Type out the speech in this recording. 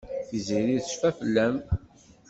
Tiziri tecfa fell-am.